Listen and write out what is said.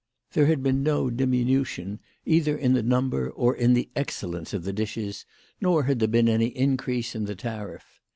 There had been no diminution either in the number or in the excellence of the dishes, nor had there been any increase in the tariff.